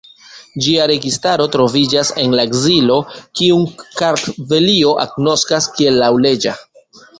Ĝia registaro troviĝas en la ekzilo kiun Kartvelio agnoskas kiel laŭleĝa.